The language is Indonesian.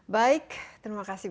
baik terima kasih